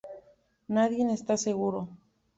Nadie está seguro.